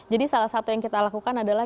jadi salah satu yang kita perhatikan adalah